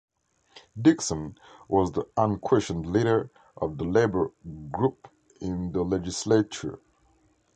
Dixon was the unquestioned leader of the labour group in the legislature.